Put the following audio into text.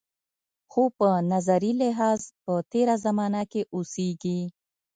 خو په نظري لحاظ په تېره زمانه کې اوسېږي.